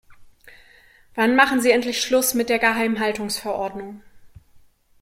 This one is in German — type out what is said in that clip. Wann machen Sie endlich Schluss mit der Geheimhaltungsverordnung?